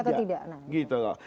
nah boleh atau tidak